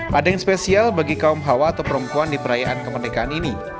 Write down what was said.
pada yang spesial bagi kaum hawa atau perempuan di perayaan kemerdekaan ini